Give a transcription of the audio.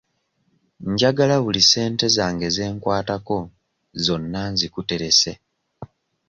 Njagala buli ssente zange ze nkwatako zonna nzikuterese.